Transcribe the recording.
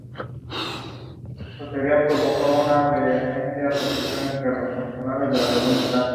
Las dos muchachas eran de la misma edad cuando escribieron sus diarios respectivos.